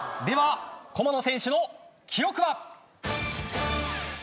では駒野選手の記録は？